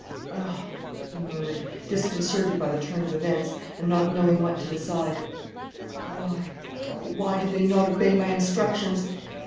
"Ah," he murmured, disconcerted by the turn of events and not knowing what to decide, "why, oh, why did they not obey my instructions?